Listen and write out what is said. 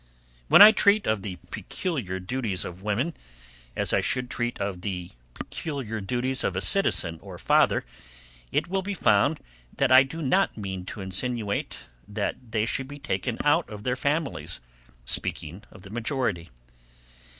When I treat of the peculiar duties of women, as I should treat of the peculiar duties of a citizen or father, it will be found that I do not mean to insinuate, that they should be taken out of their families, speaking of the majority.